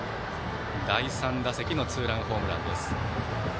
第３打席のツーランホームランです。